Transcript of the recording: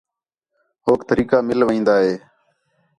ہوک طریقہ مِل وین٘دا ہِے